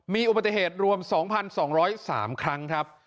มีอุบัติเหตุรวม๒๒๐๓ครั้งครับ